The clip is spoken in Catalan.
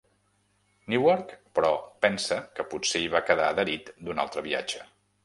Newark, però pensa que potser hi va quedar adherit d'un altre viatge.